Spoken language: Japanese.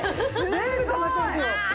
全部たまってますよ。